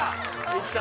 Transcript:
いった。